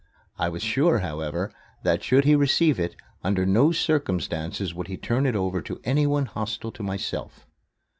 I was sure, however, that, should he receive it, under no circumstances would he turn it over to anyone hostile to myself.